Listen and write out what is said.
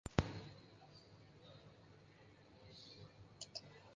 Guardetxetik San Migelen santutegira doan errepidetik oso gertu dago.